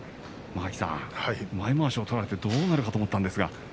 間垣さん、前まわしを取られてどうなるかと思ったんですが。